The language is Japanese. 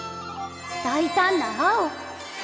大胆な青。